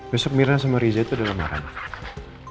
besok mirna sama riza itu dalam marah